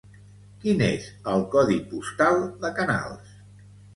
Quin és el codi postal de Canals?